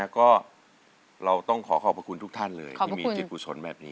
ก็เราต้องขอขอบพระคุณทุกท่านเลยที่มีจิตกุศลแบบนี้